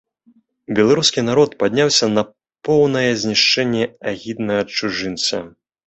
Беларускі народ падняўся на поўнае знішчэнне агіднага чужынца.